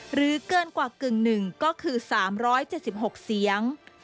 เกินกว่ากึ่งหนึ่งก็คือ๓๗๖เสียง